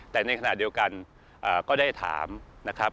แต่ในขณะเดียวกันก็ได้ถามนะครับ